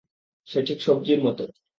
সে ঠিক সবজির মতো!